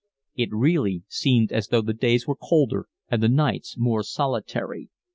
It really seemed as though the days were colder and the nights more solitary.